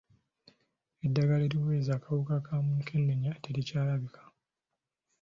Eddagala eriweweeza akawuka kamukennya terikyalabika.